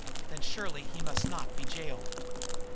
"Then surely he must not be jailed."